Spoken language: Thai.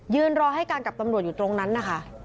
รอให้การกับตำรวจอยู่ตรงนั้นนะคะ